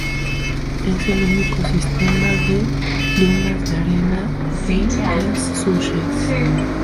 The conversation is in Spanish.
Es el único sistema de dunas de arena en East Sussex.